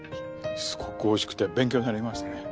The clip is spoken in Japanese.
すごくおいしくて勉強になりましたね。